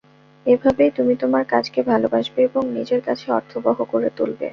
এভাবেই তুমি তোমার কাজকে ভালোবাসবে এবং নিজের কাছে অর্থবহ করে তুলবে।